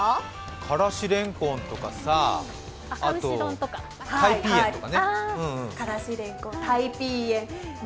からしれんこんとかさ、タイピーエンとかね。